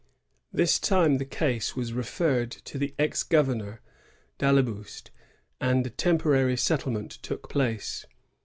This time the case was referred to the ex governor, d'Ailleboust, and a temporary settiement took place.